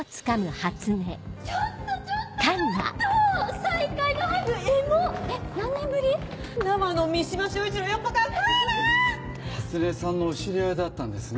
初音さんのお知り合いだったんですね。